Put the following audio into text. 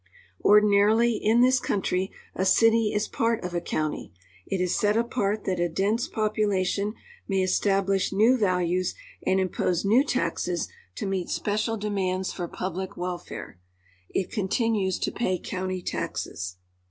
Ordinarily, in this country, a city is part of a county ; it is set apart that a dense population may establish new values and impose new taxes to meet special demands for public welfare; it continues to pay county taxes.